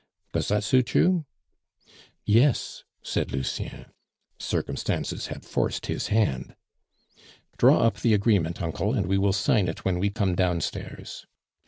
Does that suit you?" "Yes," said Lucien. Circumstances had forced his hand. "Draw up the agreement, uncle, and we will sign it when we come downstairs."